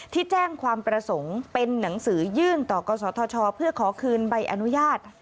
ที่แจ้งความประสงค์เป็นหนังสือยื่นต่อกศธชเพื่อขอคืนใบอนุญาต